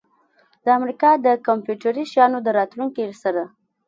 د امریکا د کمپیوټري شیانو د راتلونکي سره